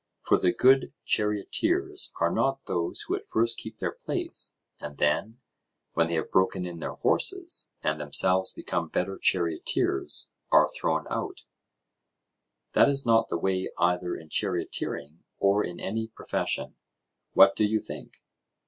For the good charioteers are not those who at first keep their place, and then, when they have broken in their horses, and themselves become better charioteers, are thrown out—that is not the way either in charioteering or in any profession.—What do you think?